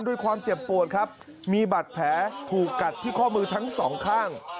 ด้วยความเจ็บปวดครับมีบัตรแผลถูกกัดที่ข้อมือทั้งสองข้าง